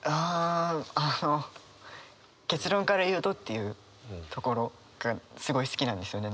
ああの「結論から言うと」っていうところがすごい好きなんですよね何か。